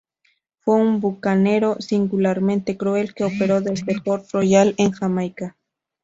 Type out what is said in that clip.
Fue un bucanero singularmente cruel que operó desde Port Royal, en Jamaica.